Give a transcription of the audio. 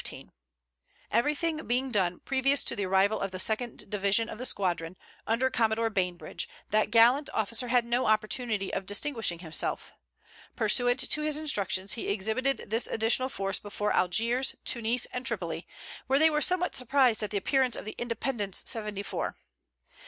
Every thing being done previous to the arrival of the second division of the squadron, under Commodore Bainbridge, that gallant officer had no opportunity of distinguishing himself. Pursuant to his instructions he exhibited this additional force before Algiers, Tunis and Tripoli, where they were somewhat surprised at the appearance of the Independence seventy four.